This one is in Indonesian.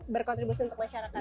berkontribusi untuk masyarakat